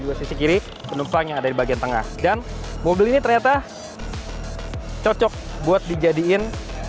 juga sisi kiri penumpang yang ada di bagian tengah dan mobil ini ternyata cocok buat dijadikan